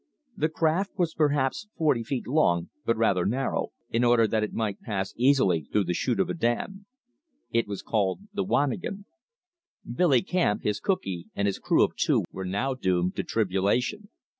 The craft was perhaps forty feet long, but rather narrow, in order that it might pass easily through the chute of a dam. It was called the "wanigan." Billy Camp, his cookee, and his crew of two were now doomed to tribulation.